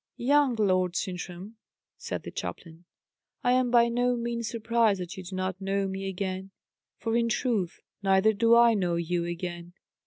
"Young Lord Sintram," said the chaplain, "I am by no means surprised that you do not know me again; for in truth, neither do I know you again."